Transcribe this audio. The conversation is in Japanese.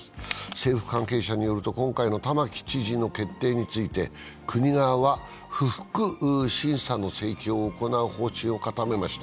政府関係者によると、今回の玉城知事の決定について国側は不服審査の請求を行う方針を固めました。